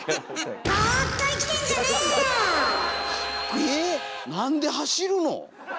えっなんで走るの？